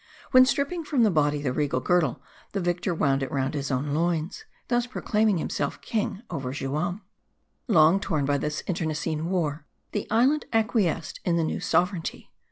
When stripping from the body the regal girdle, the victor wound it round his own loins ; thus proclaiming himself king, over Juam. Long torn by this intestine war, the island acquiesced in the new sovereignty.